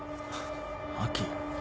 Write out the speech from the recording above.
亜紀。